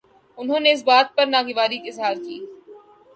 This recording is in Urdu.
انہوں نے اس بات پر ناگواری ظاہر کی